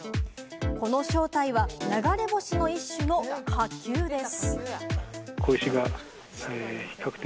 この正体は流れ星の一種の火球です。